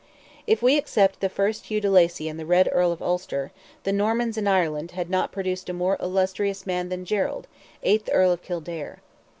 If we except the first Hugh de Lacy and the Red Earl of Ulster, the Normans in Ireland had not produced a more illustrious man than Gerald, eighth Earl of Kildare.